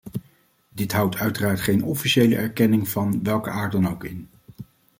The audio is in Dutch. Dit houdt uiteraard geen officiële erkenning van welke aard dan ook in.